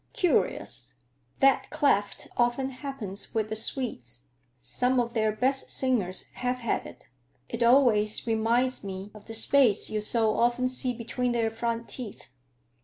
Curious; that cleft often happens with the Swedes. Some of their best singers have had it. It always reminds me of the space you so often see between their front teeth.